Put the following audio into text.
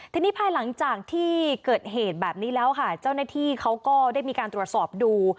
ทีนี้ภายหลังจากที่เกิดเหตุแบบนี้แล้วค่ะเจ้าหน้าที่เขาก็ได้มีการตรวจสอบดู